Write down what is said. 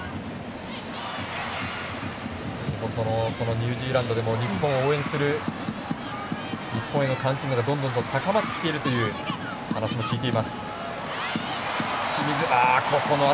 ニュージーランドでも日本を応援する日本への関心が高まってきているという話も聞いています。